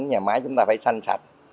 nhà máy chúng ta phải xanh sạch